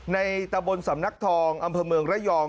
ตะบนสำนักทองอำเภอเมืองระยอง